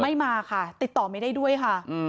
ไม่มาค่ะติดต่อไม่ได้ด้วยค่ะ